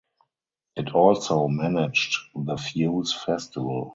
It also managed the Fuse Festival.